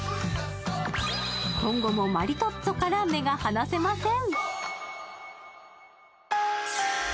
今後もマリトッツォから目が離せません。